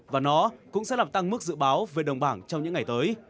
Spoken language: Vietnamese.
và nó cũng sẽ làm tăng mức dự báo về đồng bảng trong những ngày tới